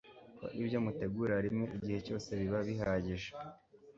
ko ibyo mutegurira rimwe igihe cyose biba bihagije